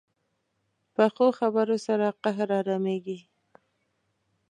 پخو خبرو سره قهر ارامېږي